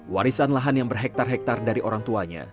warisan lahan yang berhektar hektar dari orang tuanya